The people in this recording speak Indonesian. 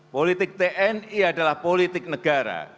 politik tni adalah politik negara